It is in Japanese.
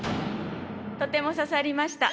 とても刺さりました。